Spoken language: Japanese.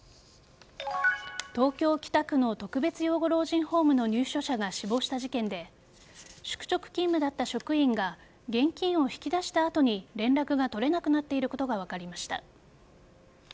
東京・北区の特別養護老人ホームの入所者が死亡した事件で宿直勤務だった職員が現金を引き出した後に連絡が取れなくなっていることが分かりました。